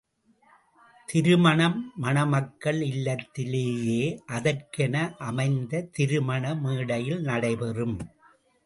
திருமணம், மணமக்கள் இல்லத்திலேயே அதற்கென அமைந்த திருமண மேடையில் நடைபெறும்.